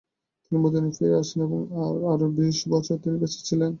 তিনি মদিনায় ফিরে আসেন এবং আরও বিশ বছর তিনি বেঁচে ছিলেন।